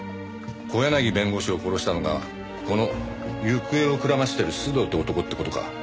小柳弁護士を殺したのがこの行方をくらましてる須藤って男って事か。